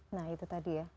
nah itu tadi ya